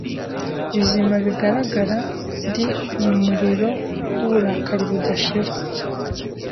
bizima bigaragarad Mu muriro wuburakari budashira